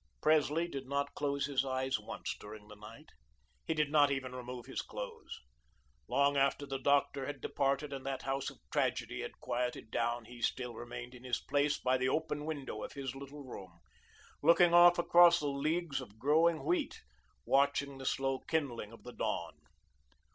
Presley did not close his eyes once during the night; he did not even remove his clothes. Long after the doctor had departed and that house of tragedy had quieted down, he still remained in his place by the open window of his little room, looking off across the leagues of growing wheat, watching the slow kindling of the dawn.